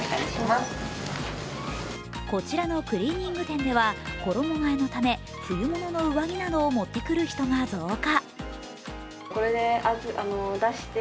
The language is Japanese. こちらのクリーニング店では衣がえのため冬物の上着などを持ってくる人が増加。